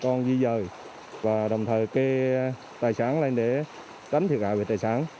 họ đã bắt đầu bà con di dời và đồng thời kê tài sản lên để đánh thiệt hạ về tài sản